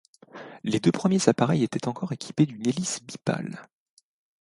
Les deux premiers appareils étaient encore équipés d’une hélice bipale.